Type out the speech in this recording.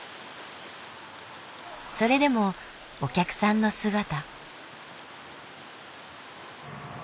それでもお客さんの姿。